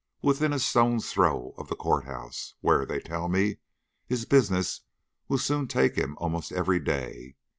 Within a stone's throw of the court house, where, they tell me, his business will soon take him almost every day!